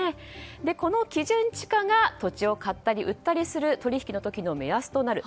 この基準地価が、土地を買ったり売ったりする取引の時の目安となる。